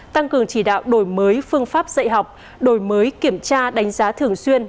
tăng cường chỉ đạo đổi mới phương pháp dạy học đổi mới kiểm tra đánh giá thường xuyên